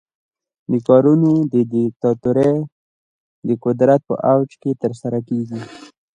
دا کارونه د دیکتاتورۍ د قدرت په اوج کې ترسره کیږي.